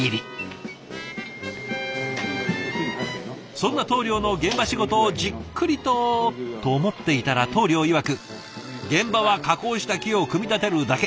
そんな棟梁の現場仕事をじっくりとと思っていたら棟梁いわく「現場は加工した木を組み立てるだけ。